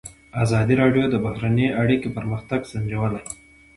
ازادي راډیو د بهرنۍ اړیکې پرمختګ سنجولی.